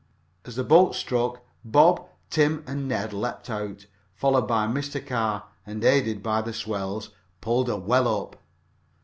As the boat struck, Bob, Tim and Ned leaped out, followed by Mr. Carr, and, aided by the swells, pulled her well up.